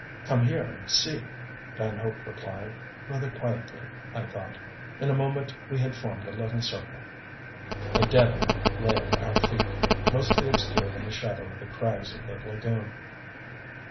"Come here and see," Van Hope replied rather quietly, I thought. In a moment we had formed a little circle. A dead man lay at our feet, mostly obscured in the shadow of the crags of the lagoon.